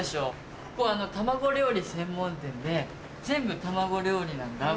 ここ卵料理専門店で全部卵料理なんだ。